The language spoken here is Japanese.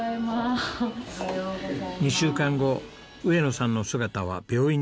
２週間後上野さんの姿は病院にありました。